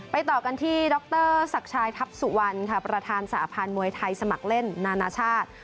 ไปต่อกันที่ดรศักชายทัพสุวรรณประธานสหพาลมวยไทยสมัครเล่นนานาชาติ